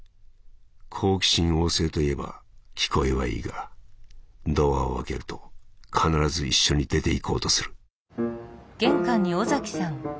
好奇心旺盛といえば聞こえはいいがドアを開けると必ず一緒に出て行こうとする」。